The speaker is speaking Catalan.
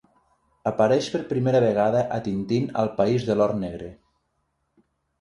Apareix per primera vegada a Tintín al país de l'or negre.